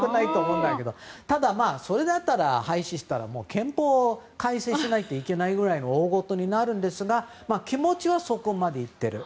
ただ、それだったら廃止するのは憲法を改正しないといけないくらいの大ごとになるんですが気持ちはそこまでいっている。